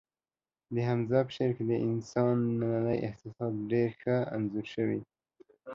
د حمزه په شعر کې د انسان ننني احساسات ډېر ښه انځور شوي